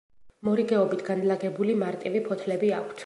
მორიგეობით განლაგებული მარტივი ფოთლები აქვთ.